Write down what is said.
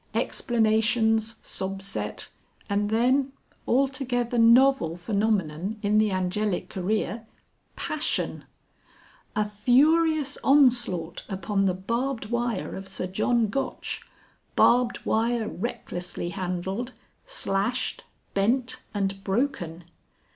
Explanations sob set, and then altogether novel phenomenon in the Angelic career passion. A furious onslaught upon the barbed wire of Sir John Gotch, barbed wire recklessly handled, slashed, bent and broken.